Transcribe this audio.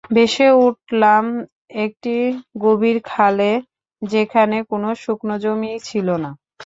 ভেসে উঠলাম একটা গভীর খালে, যেখানে কোন শুকনো জমি ছিল না।